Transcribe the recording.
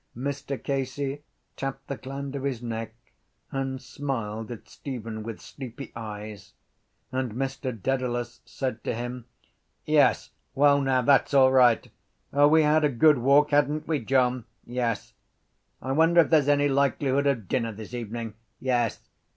Mr Casey tapped the gland of his neck and smiled at Stephen with sleepy eyes: and Mr Dedalus said to him: —Yes. Well now, that’s all right. O, we had a good walk, hadn’t we, John? Yes... I wonder if there’s any likelihood of dinner this evening. Yes...